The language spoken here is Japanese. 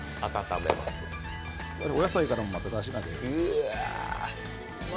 お野菜からもまただしが出る。